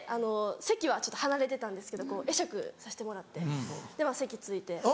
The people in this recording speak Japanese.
席はちょっと離れてたんですけど会釈させてもらって席着いて。